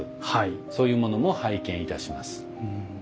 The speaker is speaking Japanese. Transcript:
そういうものも拝見いたします。